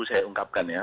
itu saya ungkapkan ya